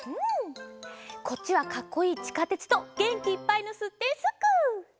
こっちはかっこいい「ちかてつ」とげんきいっぱいの「すってんすっく」！